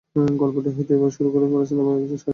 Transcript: গল্পটি হয়তো এভাবে শুরু হবে ফারাজ নামে একজন সাহসী বালক ছিল।